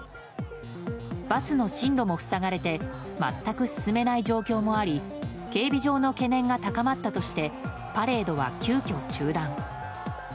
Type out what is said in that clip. バスの進路も塞がれて全く進めない状況もあり警備上の懸念が高まったとしてパレードは急きょ中断。